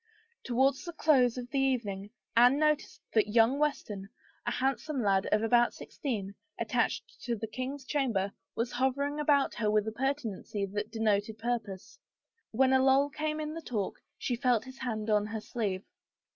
Towards the close of the evening Anne noticed that young Weston, a handsome lad of about sixteen, attached to the king's chamber, was hovering about her with a pertinacity that denoted purpose. When a lull came in the talk she felt his hand on her sleeve.